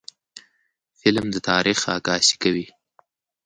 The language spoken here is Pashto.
فلم د تاریخ عکاسي کوي